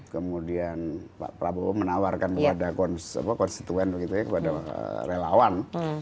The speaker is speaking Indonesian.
kemudian pak prabowo menawarkan kepada konstituen kepada relawan